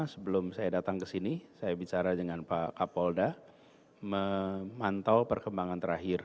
sebelum saya datang ke sini saya bicara dengan pak kapolda memantau perkembangan terakhir